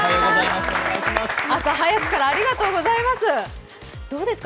朝早くからありがとうございます。